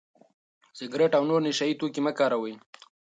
سګرټ او نور نشه يي توکي مه کاروئ.